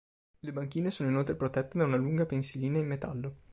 Le banchine sono inoltre protette da una lunga pensilina in metallo.